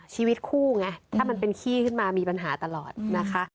ชีวิตคู่ไงถ้ามันเป็นขี้ขึ้นมามีปัญหาตลอดนะคะ